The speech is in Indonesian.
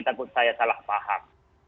takut saya salah paham